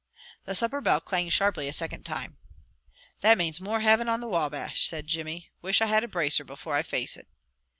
The supper bell clanged sharply a second time. "That manes more Hivin on the Wabash," said Jimmy. "Wish I had a bracer before I face it."